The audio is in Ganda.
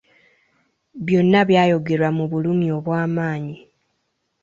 Byonna byayogwerwa mu bulumi obw’amaanyi.